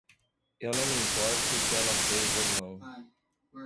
Eu não me importo se ela fez ou não.